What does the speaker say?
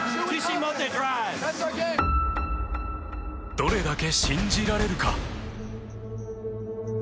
どれだけ信じられるか。